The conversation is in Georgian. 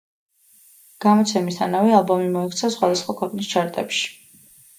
გამოცემისთანავე ალბომი მოექცა სხვადასხვა ქვეყნის ჩარტებში.